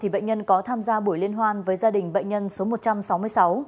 bệnh nhân có tham gia buổi liên hoan với gia đình bệnh nhân số một trăm sáu mươi sáu